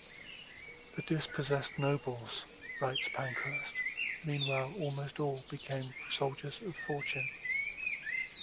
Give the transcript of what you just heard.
"The dispossessed nobles," writes Pankhurst, "meanwhile, almost all became soldiers of fortune.